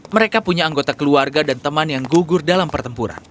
mereka punya anggota keluarga dan teman yang gugur dalam pertempuran